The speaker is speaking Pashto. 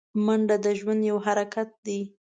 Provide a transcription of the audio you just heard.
منډه د ژوند یو حرکت دی